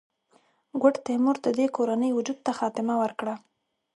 ګوډ تیمور د دې کورنۍ وجود ته خاتمه ورکړه.